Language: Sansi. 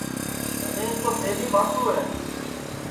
رمیش تو پَھلی بھاتو ہے